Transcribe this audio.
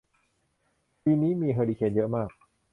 ปีนี้มีเฮอริเคนเยอะมาก